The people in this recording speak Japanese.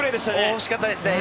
惜しかったですね。